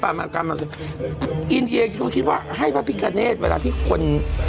พระพิการ์เนตก็คิดว่าให้พระพิการ์เนตเวลาที่คน